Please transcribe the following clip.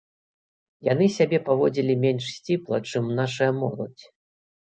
Яны сябе паводзілі менш сціпла, чым нашая моладзь.